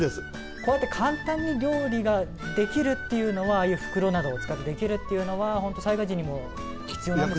こうやって簡単に料理ができるっていうのはああいう袋などを使ってできるっていうのはほんと災害時にも必要なんですもんね。